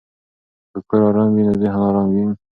که کور آرام وي نو ذهن آرام وي.